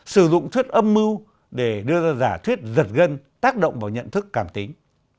sử dụng thuyết âm mưu để đưa ra giả thuyết giật gân tác động vào nhận thức cảm tính